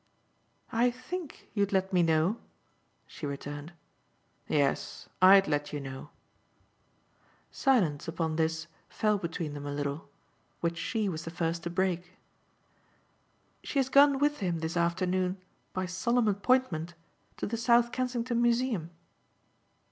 "I think you'd let me know," she returned. "Yes, I'd let you know." Silence, upon this, fell between them a little; which she was the first to break. "She has gone with him this afternoon by solemn appointment to the South Kensington Museum."